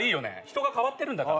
人が変わってるんだからさ。